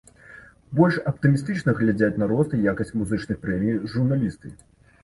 Больш аптымістычна глядзяць на рост і якасць музычных прэмій журналісты.